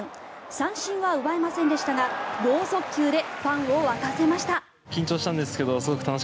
三振は奪えませんでしたが豪速球でファンを沸かせました。